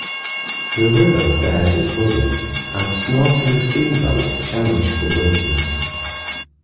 The river bared its bosom, and snorting steamboats challenged the wilderness.